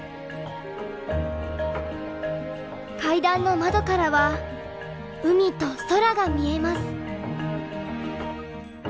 階段の窓からは海と空が見えます。